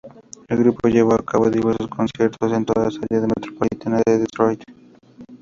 El grupo llevó a cabo diversos conciertos en toda el área metropolitana de Detroit.